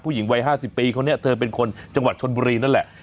ผู้หญิงวัย๕๐ปีคนนี้เธอเป็นคนจังหวัดชนบุรีนั่นแหละ